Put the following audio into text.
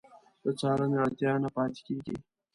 د څارنې اړتیا نه پاتې کېږي.